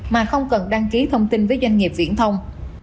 mà không cần đăng ký thông tin với doanh nghiệp viễn thông